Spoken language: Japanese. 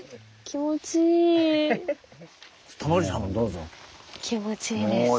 気持ちいいです。